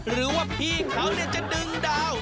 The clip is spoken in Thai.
หรือว่าพี่เขาจะดึงดาว